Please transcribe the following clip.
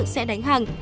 sẽ đánh hằng